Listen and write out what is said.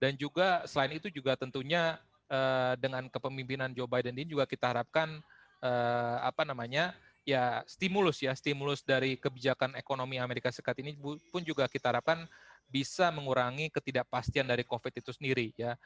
dan juga selain itu juga tentunya dengan kepemimpinan joe biden ini juga kita harapkan apa namanya ya stimulus ya stimulus dari kebijakan ekonomi as ini pun juga kita harapkan bisa mengurangi ketidakpastian dari covid itu sendiri ya